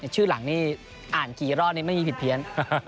ชื่อหลังนี่อ่านกี่รอบนี้ไม่มีผิดเพี้ยน